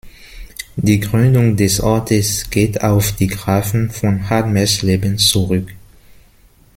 Die Gründung des Ortes geht auf die Grafen von Hadmersleben zurück.